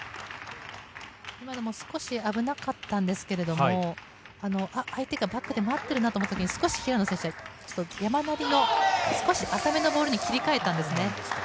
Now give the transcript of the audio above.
今のも少し危なかったんですけれど、相手がバックで待ってるなっていう特に少し平野選手、浅めのボールに切り替えたんですね。